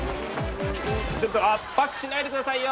ちょっと圧迫しないで下さいよ！